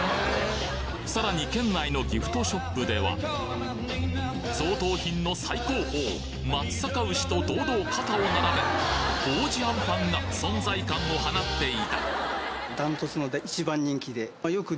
さらに県内のギフトショップでは贈答品の最高峰松阪牛と堂々肩を並べ法事アンパンが存在感を放っていた！